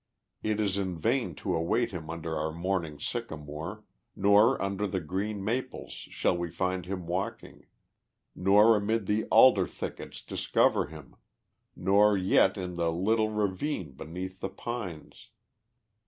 It is in vain to await him under our morning sycamore, nor under the great maples shall we find him walking, nor amid the alder thickets discover him, nor yet in the little ravine beneath the pines.